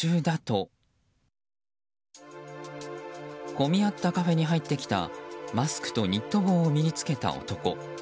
混み合ったカフェに入ってきたマスクとニット帽を身に付けた男。